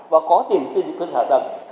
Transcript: và có tiền xây dựng cơ sở tầng